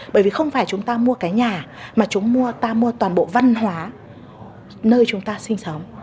bởi vì không phải chúng ta mua cái nhà mà chúng ta mua toàn bộ văn hóa nơi chúng ta sinh sống